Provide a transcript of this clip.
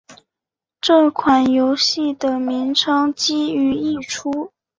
这款游戏的名称基于一出。